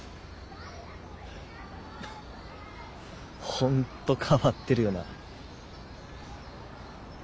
本当変わってるよな。